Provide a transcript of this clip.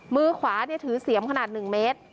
มือขวาถือเสียมขนาด๑เมตร